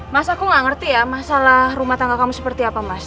mas aku nggak ngerti ya masalah rumah tangga kamu seperti apa mas